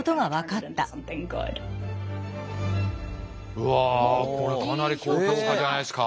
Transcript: うわこれかなり高評価じゃないですか。